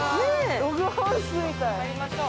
ログハウスみたい。